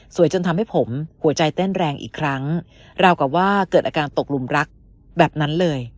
จนทำให้ผมหัวใจเต้นแรงอีกครั้งราวกับว่าเกิดอาการตกลุมรักแบบนั้นเลย